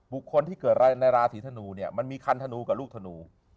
คนที่เกิดในราศีธนูเนี่ยมันมีคันธนูกับลูกธนู